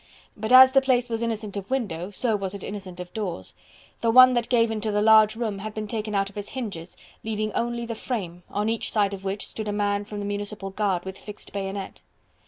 But as the place was innocent of window, so was it innocent of doors. The one that gave into the large room had been taken out of its hinges, leaving only the frame, on each side of which stood a man from the municipal guard with fixed bayonet.